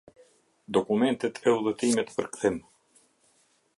Dokumentet e udhëtimit për kthim.